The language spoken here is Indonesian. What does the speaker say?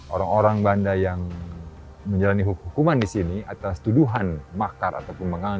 orang orang banda yang menjalani hukuman di sini atas tuduhan makar ataupun mengandung